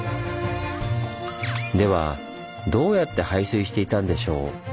ではどうやって排水していたんでしょう？